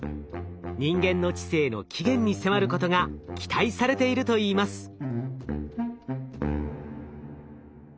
人間の知性の起源に迫ることが期待されているといいます。